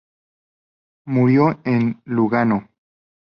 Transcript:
Murió en Lugano.